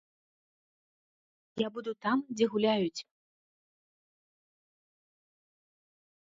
Я буду там, дзе гуляюць!